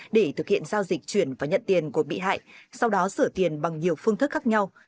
để thực hiện giao dịch chuyển và nhận tiền của bị hại sau đó sửa tiền bằng nhiều phương thức khác nhau